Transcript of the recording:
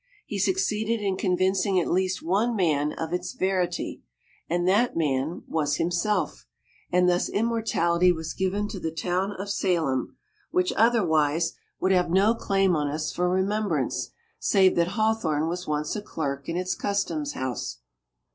He succeeded in convincing at least one man of its verity, and that man was himself, and thus immortality was given to the town of Salem, which, otherwise, would have no claim on us for remembrance, save that Hawthorne was once a clerk in its custom house.